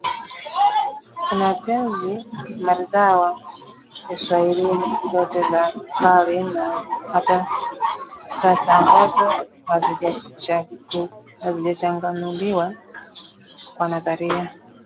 kuna tenzi maridhawa Uswahilini kote: za kale na hata sasa ambazo hazijachanganuliwa kwa nadharia